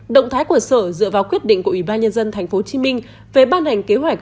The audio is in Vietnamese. động thái của sở dựa vào quyết định của ủy ban nhân dân tp hcm về ban hành kế hoạch